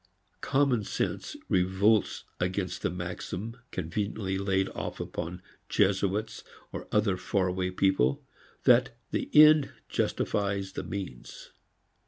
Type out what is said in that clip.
Common sense revolts against the maxim, conveniently laid off upon Jesuits or other far away people, that the end justifies the means.